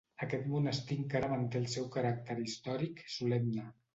Aquest monestir encara manté el seu caràcter històric solemne.